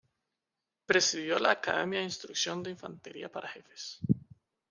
Presidió la Academia de Instrucción de Infantería para Jefes.